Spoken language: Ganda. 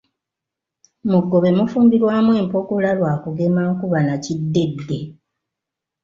Muggobe mufumbirwamu empogola lwa kugema nkuba na kiddedde.